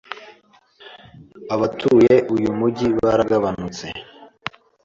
Abatuye uyu mujyi baragabanutse.